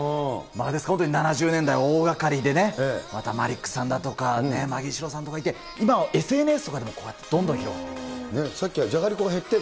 本当に７０年代、大がかりでね、またマリックさんだとか、マギー司郎さんとかいて、今はＳＮＳとかでもこうやってどんどん広がって。